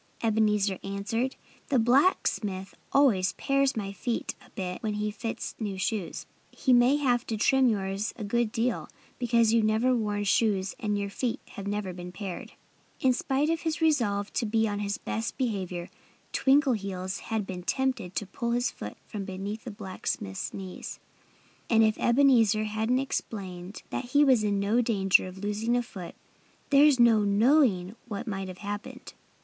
Ebenezer answered. "The blacksmith always pares my feet a bit when he fits new shoes. He may have to trim yours a good deal, because you've never worn shoes and your feet have never been pared." In spite of his resolve to be on his best behavior, Twinkleheels had been tempted to pull his foot from between the blacksmith's knees. And if Ebenezer hadn't explained that he was in no danger of losing a foot there's no knowing what might have happened.